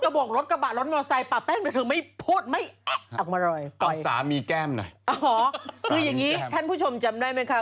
แต่ทำไมน้ำหนักเวลาเราพูดมันเยอะอ่ะอ่ะ